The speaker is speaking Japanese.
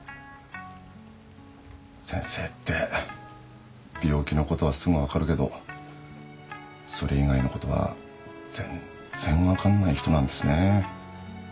先生って病気のことはすぐ分かるけどそれ以外のことは全然分かんない人なんですね。